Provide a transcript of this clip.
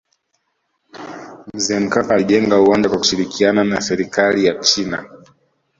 mzee mkapa alijenga uwanja kwa kushirikiana na serikali ya china